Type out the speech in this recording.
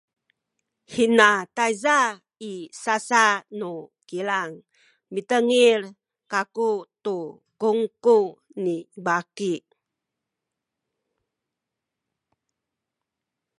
hina tayza i sasa nu kilang mitengil kaku tu kungku ni baki